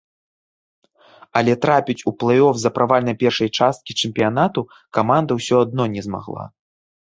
Але трапіць у плэй-оф з-за правальнай першай часткі чэмпіянату каманда ўсё адно не змагла.